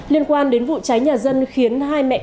liên quan đến vụ trái nhà dân khiến hai mẹ con